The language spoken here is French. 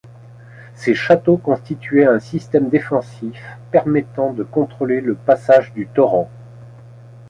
Ces châteaux constituaient un système défensif permettant de contrôler le passage du torrent.